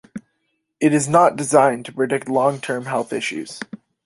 It is "not" designed to predict long term health issues.